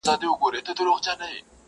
که وچ لرګی ومه وچ پوست او څو نري تارونه.